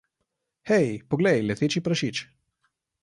Hej, poglej, leteči prašič!